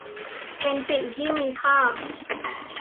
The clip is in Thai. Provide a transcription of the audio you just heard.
เป็นสิ่งที่มีค่า